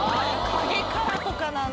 影からとかなんだ。